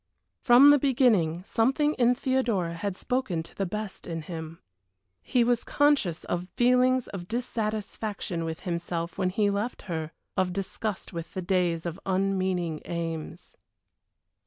From the beginning something in Theodora had spoken to the best in him. He was conscious of feelings of dissatisfaction with himself when he left her, of disgust with the days of unmeaning aims.